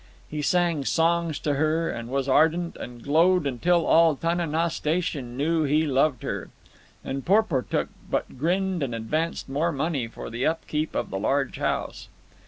He sang songs to her, and was ardent and glowed until all Tana naw Station knew he loved her. And Porportuk but grinned and advanced more money for the upkeep of the large house.